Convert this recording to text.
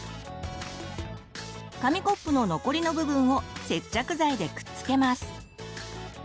紙コップの残りの部分を接着剤でくっつけます。